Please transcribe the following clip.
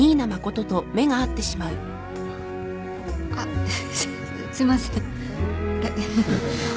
あっすいません。